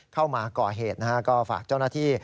เข้ามาก่อเหตุนะฮะก็ฝากเจ้าหน้าที่